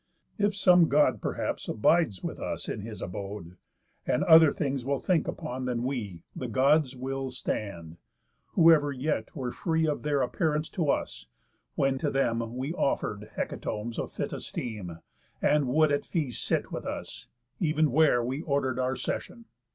If some God Perhaps abides with us in his abode, And other things will think upon than we, The Gods' wills stand, who ever yet were free Of their appearance to us, when to them We offer'd hecatombs of fit esteem, And would at feast sit with us, ev'n where we Order'd our session.